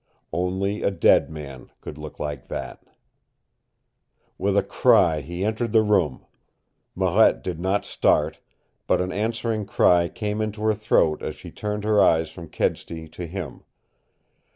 Only a dead man could look like that. With a cry he entered the room. Marette did not start, but an answering cry came into her throat as she turned her eyes from Kedsty to him.